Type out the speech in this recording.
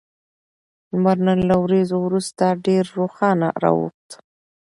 لمر نن له وريځو وروسته ډېر روښانه راوخوت